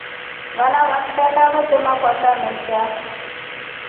Vana wa kshaka vete makwata meshe.